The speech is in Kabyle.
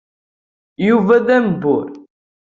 Yuba d ambur.